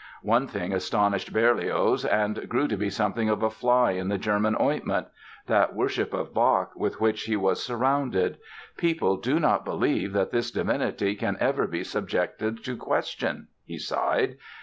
One thing astonished Berlioz and grew to be something of a fly in the German ointment: that worship of Bach with which he was surrounded! "People do not believe that this divinity can ever be subjected to question", he sighed.